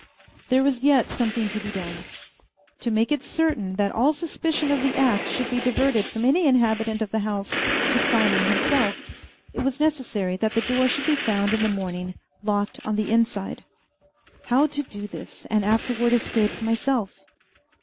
There was yet something to be done. To make it certain that all suspicion of the act should be diverted from any inhabitant of the house to Simon himself, it was necessary that the door should be found in the morning locked on the in side. How to do this, and afterward escape myself?